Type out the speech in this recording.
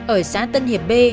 ở xã tân hiệp b